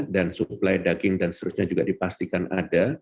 dan supply daging dan seterusnya juga dipastikan ada